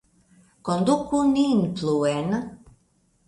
Konduku nin pluen!